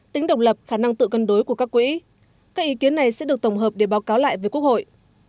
tính độc lập khả năng tự cân đối của các quỹ các ý kiến này sẽ được tổng hợp để báo cáo lại với quốc hội